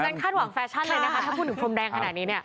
คาดหวังแฟชั่นเลยนะคะถ้าพูดถึงพรมแดงขนาดนี้เนี่ย